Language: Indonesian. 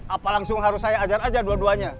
apa langsung harus saya ajar aja dua duanya